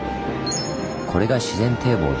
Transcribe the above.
これが自然堤防です。